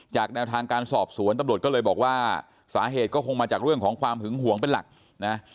แนวทางการสอบสวนตำรวจก็เลยบอกว่าสาเหตุก็คงมาจากเรื่องของความหึงหวงเป็นหลักนะ